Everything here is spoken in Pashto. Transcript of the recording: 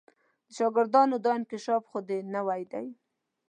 د شاګردانو دا انکشاف خو دې نوی دی.